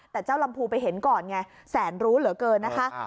แต่เจ้าลำพูไปเห็นก่อนไงแสนรู้เหลือเกินนะคะ